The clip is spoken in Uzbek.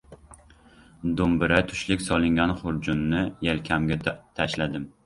Do‘mbira, tushlik solingan xurjunni yelkamga tashladim.